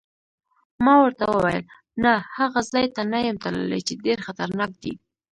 ما ورته وویل: نه، هغه ځای ته نه یم تللی چې ډېر خطرناک دی.